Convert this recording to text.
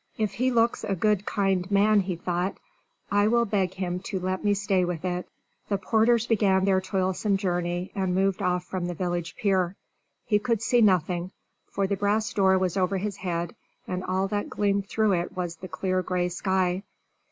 "If he looks a good, kind man," he thought, "I will beg him to let me stay with it." The porters began their toilsome journey, and moved off from the village pier. He could see nothing, for the brass door was over his head, and all that gleamed through it was the clear gray sky.